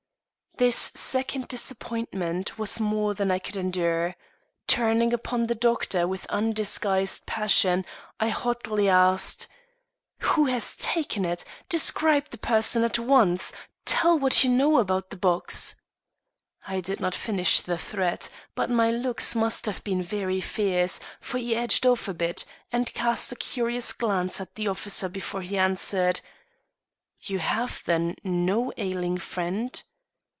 This second disappointment was more than I could endure. Turning upon the doctor with undisguised passion, I hotly asked: "Who has taken it? Describe the person at once. Tell what you know about the box, I did not finish the threat; but my looks must have been very fierce, for he edged off a bit, and cast a curious glance at the officer before he answered: "You have, then, no ailing friend?